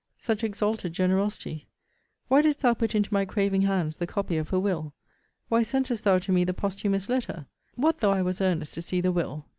Such exalted generosity! Why didst thou put into my craving hands the copy of her will? Why sentest thou to me the posthumous letter? What thou I was earnest to see the will?